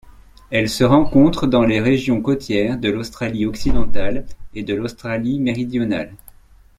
Elle se rencontre dans les régions côtières de l'Australie-Occidentale et de l'Australie-Méridionale.